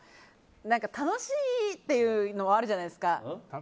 楽しいっていうのもあるじゃないですか。